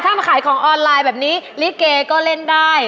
ถ้ามาขายของออนไลน์แบบนี้ลิเกก็เล่นได้